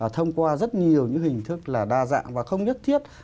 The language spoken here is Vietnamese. thông qua rất nhiều những hình thức là đa dạng và không nhất thiết